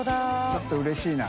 ちょっとうれしいな。